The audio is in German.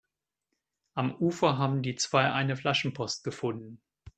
Am Ufer haben die zwei eine Flaschenpost gefunden.